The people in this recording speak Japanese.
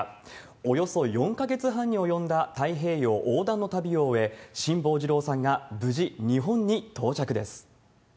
およそ４か月半に及んだ太平洋横断の旅を終え、辛坊治郎さんが無事日本に到着です。